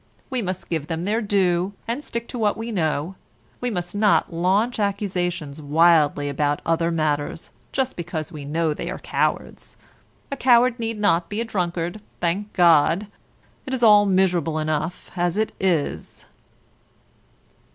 We must give them their due, and stick to what we know; we must not launch accusations wildly about other matters, just because we know they are cowards. A coward need not be a drunkard, thank God! It is all miserable enough, as it is!"